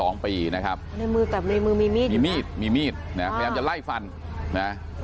มีจับมือมีมือมีมีมีดมีมีมีจ้าประยะไล่ฟันนะ